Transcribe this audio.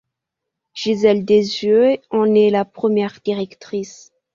Gisèle Dessieux en est la première directrice.